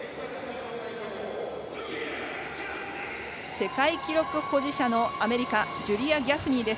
世界記録保持者のアメリカジュリア・ギャフニーです。